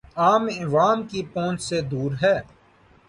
عام عوام کی پہنچ سے دور ہے